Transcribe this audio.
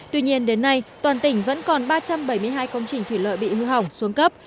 tuy nhiên đến nay toàn tỉnh vẫn còn ba trăm bảy mươi hai công trình thủy lợi bị hư hỏng xuống cấp